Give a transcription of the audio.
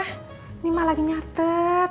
ini mak lagi nyartet